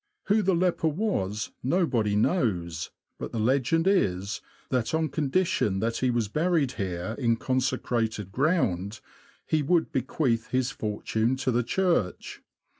Who the leper was nobody knows ; but the legend is, that on con dition that he was buried here, in consecrated ground, he would bequeath his fortune to the Church.